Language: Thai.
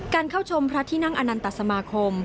เข้าชมพระที่นั่งอนันตสมาคม